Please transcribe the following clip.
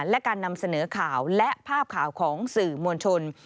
และการนำเสนอข่าวและภาพข่าวของสื่อมวลชน